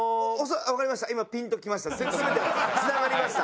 分かりました。